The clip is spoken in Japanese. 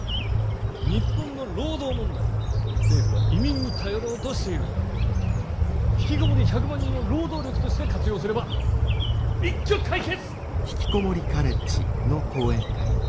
日本の労働問題を政府は移民に頼ろうとしているがひきこもり１００万人を労働力として活用すれば一挙解決！